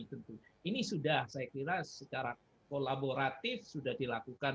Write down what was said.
tentu ini sudah saya kira secara kolaboratif sudah dilakukan